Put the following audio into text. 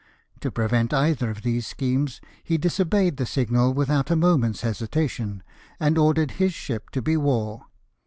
To prevent either of these schemes he disobeyed the signal without a jnoment's hesitation, and ordered his ship to be wore.